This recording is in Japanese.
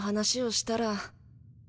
したら？